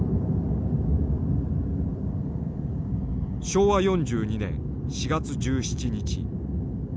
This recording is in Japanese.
昭和４２年４月１７日。